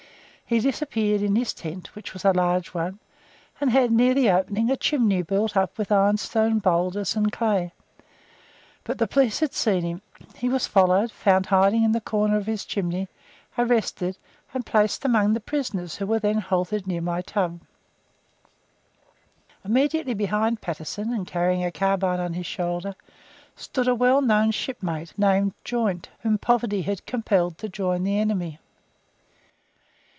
He disappeared in his tent, which was a large one, and had, near the opening, a chimney built up with ironstone boulders and clay. But the police had seen him; he was followed, found hiding in the corner of his chimney, arrested, and placed among the prisoners who were then halted near my tub. Immediately behind Patterson, and carrying a carbine on his shoulder, stood a well known shipmate named Joynt, whom poverty had compelled to join the enemy.